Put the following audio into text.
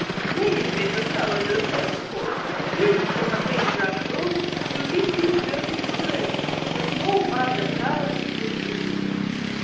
Many shades of color were there, of course, grading from a faint blush rose to deep pink verging on red, but no other color was visible.